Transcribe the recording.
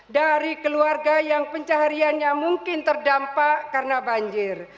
dari keluarga yang pencahariannya mungkin terdampak karena banjir